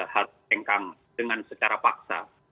hard tankang dengan secara paksa